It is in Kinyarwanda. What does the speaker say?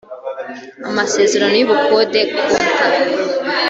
amasezerano y ubukode kontaro